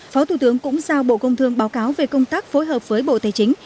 phó thủ tướng cũng giao bộ công thương báo cáo về công tác phối hợp với bộ tài chính